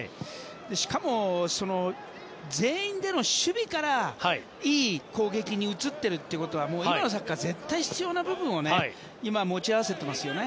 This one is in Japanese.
しかも全員での守備からいい攻撃に移ってるということはもう今のサッカーに絶対に必要な部分を今、持ち合わせてますよね。